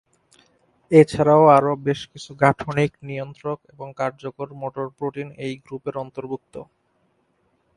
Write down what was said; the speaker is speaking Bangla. এছাড়াও আরও বেশ কিছু গাঠনিক, নিয়ন্ত্রক এবং কার্যকর মোটর প্রোটিন এই গ্রুপের অন্তর্ভুক্ত।